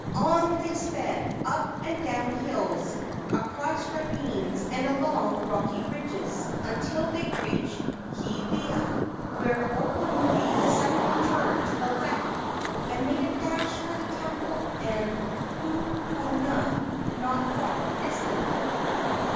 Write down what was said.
On they sped, up and down hills, across ravines and along rocky ridges, until they reached Kealia, when Oponui suddenly turned to the left and made a dash for the temple and puhonua not far distant.